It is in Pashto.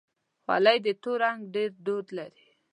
خولۍ د تور رنګ ډېر دود لري.